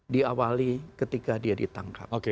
diawali ketika dia ditangkap